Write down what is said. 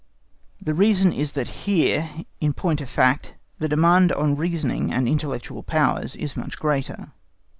The reason is that here, in point of fact, the demand on the reasoning and intellectual powers generally is much greater.